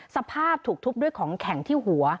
สภาพถูกทุบด้วยของแข็งที่หัว